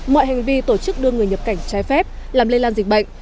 mọi hành vi tổ chức đưa người nhập cảnh trái phép làm lây lan dịch bệnh